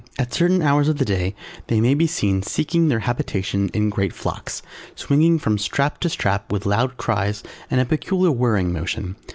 At certain hours of the day, they may be seen seeking their habitations in great flocks, swinging from strap to strap with loud cries and a peculiar whirling motion.